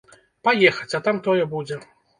Паехаць, а там тое будзе.